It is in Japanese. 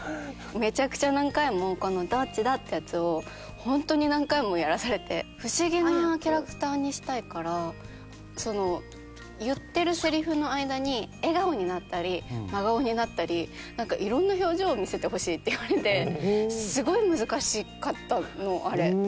めちゃくちゃ何回もこの「どっちだ」ってやつをホントに何回もやらされて「不思議なキャラクターにしたいから言ってるせりふの間に笑顔になったり真顔になったりいろんな表情を見せてほしい」って言われてすごい難しかったのあれ。